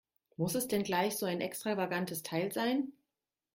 Muss es denn gleich so ein extravagantes Teil sein?